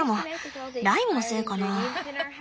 ライムのせいかなあ？